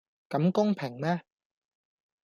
咁公平咩?